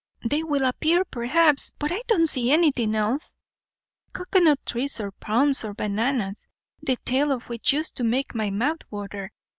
They will appear, perhaps. But I don't see anything else; cocoanut trees, or palms, or bananas, the tale of which used to make my mouth water.